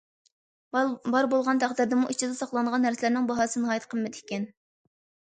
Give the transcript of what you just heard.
بار بولغان تەقدىردىمۇ، ئىچىدە ساقلانغان نەرسىلەرنىڭ باھاسى ناھايىتى قىممەت ئىكەن.